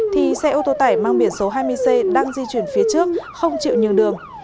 thì xe ô tô tải mang biển số hai mươi c đang di chuyển phía trước không chịu nhường đường